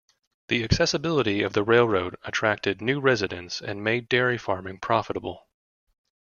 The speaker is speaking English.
The accessibility of the railroad attracted new residents and made dairy farming profitable.